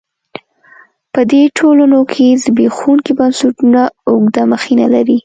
په دې ټولنو کې زبېښونکي بنسټونه اوږده مخینه لري.